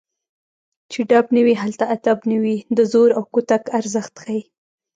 چې ډب نه وي هلته ادب نه وي د زور او کوتک ارزښت ښيي